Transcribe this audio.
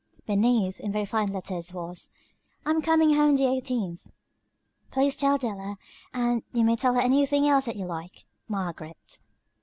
Beneath, in very fine letters was: "I'm coming home the eighteenth. Please tell Della; and you may tell her anything else that you like. Margaret."